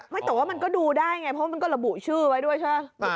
ไม่แต่ว่ามันก็ดูได้ไงเพราะมันก็ระบุชื่อไว้ด้วยใช่ไหม